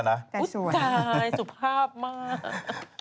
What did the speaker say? ใจสวยใจสุภาพมาก